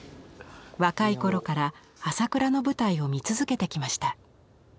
若い頃から朝倉の舞台を見続けてきました。